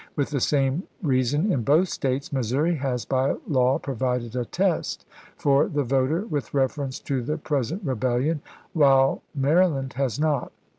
With the same reason in both States, Missoui'i has, by law, pro vided a test for the voter with reference to the present RebeUion, while Maryland has not.